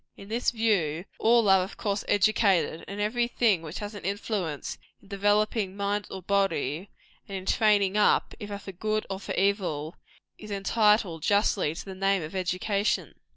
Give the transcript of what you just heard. In this view, all are of course educated; and every thing which has an influence in developing mind or body, and in training up, either for good or for evil, is entitled, justly, to the name of education.